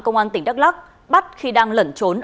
công an tỉnh đắk lắc bắt khi đang lẩn trốn